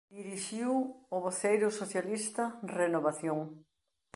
Dirixiu o voceiro socialista "Renovación".